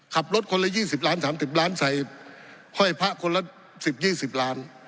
ขับรถคนละ๒๐ล้าน๓๐ล้านใส่ห้อยพระคนละ๑๐๒๐ล้าน